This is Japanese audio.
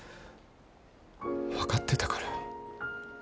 分かってたから。